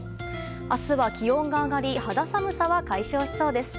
明日は、気温が上がり肌寒さは解消しそうです。